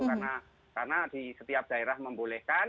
karena di setiap daerah membolehkan